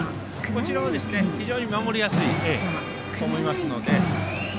こちらは非常に守りやすいと思いますので。